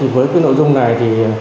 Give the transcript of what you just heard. với cái nội dung này thì